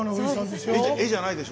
絵じゃないでしょ？